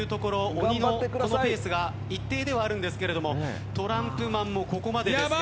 鬼のペースが一定ではあるんですけれどもトランプマンもここまでですね